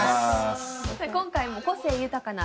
今回も個性豊かな。